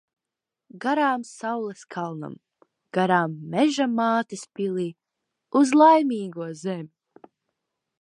Garām saules kalnam, garām Meža mātes pilij. Uz Laimīgo zemi.